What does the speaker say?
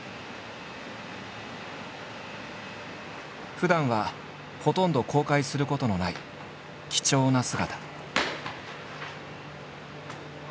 ふだんはほとんど公開することのない貴重な姿。